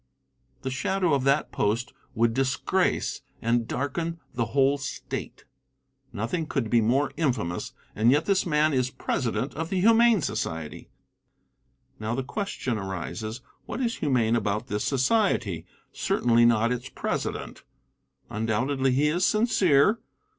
The shadow of that post would disgrace and darken the whole State. Nothing could be more infamous, and yet this man is president of the Humane Society. Now, the question arises, what is humane about this society? Certainly not its president. Undoubtedly he is sincere.